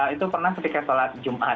itu pernah ketika sholat jumat